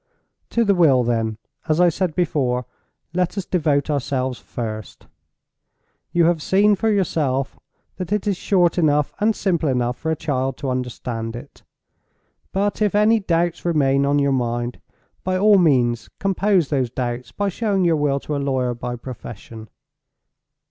To the will, then, as I said before, let us devote ourselves first. You have seen for yourself that it is short enough and simple enough for a child to understand it. But if any doubts remain on your mind, by all means compose those doubts by showing your will to a lawyer by profession.